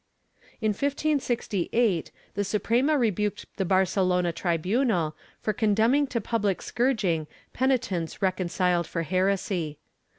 ^ In 1568 the Suprema rebuked the Barcelona tribunal for con demning to public scourging penitents reconciled for heresy.